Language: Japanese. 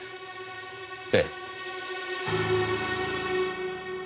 ええ。